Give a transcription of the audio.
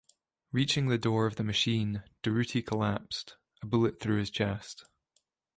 Reaching the door of the machine, Durruti collapsed, a bullet through his chest.